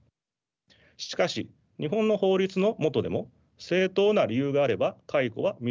しかし日本の法律の下でも正当な理由があれば解雇は認められます。